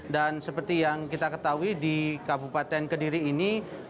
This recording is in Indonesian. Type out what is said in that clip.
dan seperti yang kita ketahui di kabupaten kediri ini